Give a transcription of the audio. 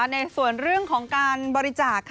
ในส่วนเรื่องของการบริจาค